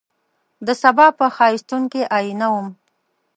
دسبا په ښایستون کي آئینه وم